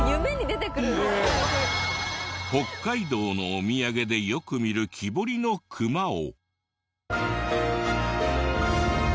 北海道のお土産でよく見る木彫りのクマを。